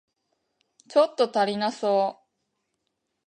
ちょっと足りなそう